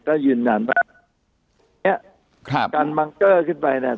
ก็ยืนยันว่าเนี้ยครับการมังเกอร์ขึ้นไปเนี่ย